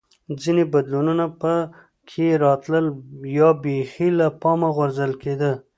ځیني بدلونونه به په کې راتلل یا بېخي له پامه غورځول کېده